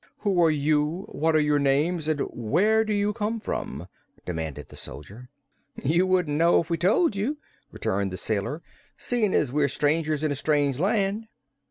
"Who are you, what are your names, and where do you come from?" demanded the soldier. "You wouldn't know if we told you," returned the sailor, "seein' as we're strangers in a strange land."